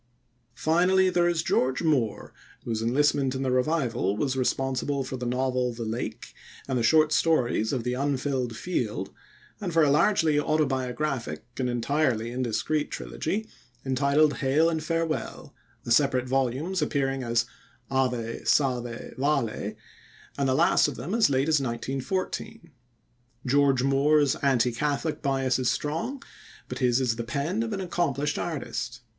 Finally there is George Moore, whose enlistment in the Revival was responsible for the novel The Lake and the short stories of The Unfilled Field, and for a largely autobiographic and entirely indiscreet trilogy entitled Hail and Farewell, the separate volumes appearing as Ave, Salve, Vale, and the last of them as late as 1914. George Moore's anti Catholic bias is strong, but his is the pen of an accomplished artist.